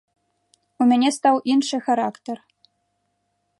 У мяне стаў іншы характар.